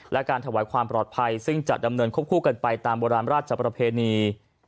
และการถวายความปลอดภัยซึ่งจะดำเนินควบคู่กันไปตามโบราณราชประเพณี